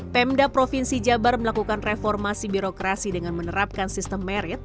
pemda provinsi jabar melakukan reformasi birokrasi dengan menerapkan sistem merit